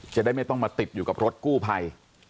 จะได้ไม่ต้องมาติดอยู่กับรถกู้ภัย